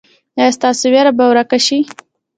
ایا ستاسو ویره به ورکه شي؟